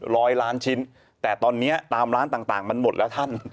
ร้อยล้านชิ้นแต่ตอนนี้ตามร้านต่างมันหมดแล้วท่าน